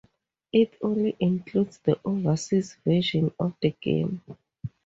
It only includes the overseas version of the game.